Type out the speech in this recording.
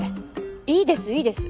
いいですいいです。